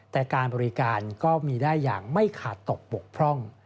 แต่การบริการก็มีได้อย่างไม่ขาดตกบกพร่อง